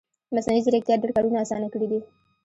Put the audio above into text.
مصنوعي ځیرکتیا ډېر کارونه اسانه کړي دي